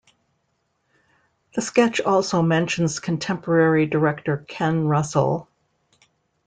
The sketch also mentions contemporary director Ken Russell.